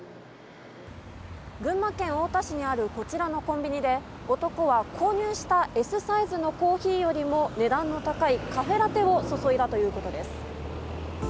群馬県太田市にあるこちらのコンビニで男は購入したＳサイズのコーヒーよりも値段の高いカフェラテを注いだということです。